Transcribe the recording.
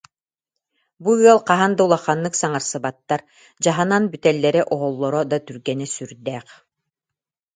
Бу ыал хаһан да улаханнык саҥарсыбаттар, дьаһанан бүтэллэрэ-оһоллоро да түргэнэ сүрдээх